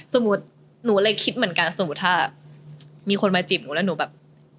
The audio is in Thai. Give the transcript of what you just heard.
สมมุติหนูเลยคิดเหมือนกันสมมุติถ้ามีคนมาจีบหนูแล้วหนูแบบ